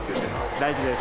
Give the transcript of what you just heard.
大事です。